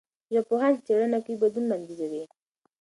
ژبپوهان چې څېړنه کوي، بدلون وړاندیزوي.